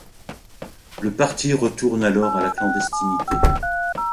Le parti retourne alors à la clandestinité.